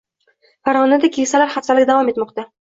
Farg‘onada “Keksalar haftaligi” davom etmoqda